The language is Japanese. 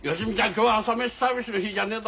今日は朝飯サービスの日じゃねえだろうよ。